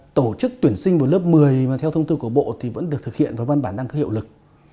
tổ chức tuyển sinh vào lớp một mươi mà theo thông tư của bộ thì vẫn được thực hiện và văn bản đang có hiệu lực